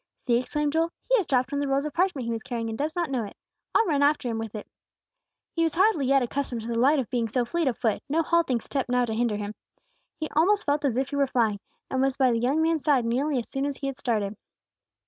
"See!" exclaimed Joel, "he has dropped one of the rolls of parchment he was carrying, and does not know it. I'll run after him with it." He was hardly yet accustomed to the delight of being so fleet of foot; no halting step now to hinder him. He almost felt as if he were flying, and was by the young man's side nearly as soon as he had started.